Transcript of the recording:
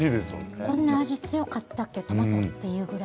こんなに味が強かったっけトマトっていうぐらい。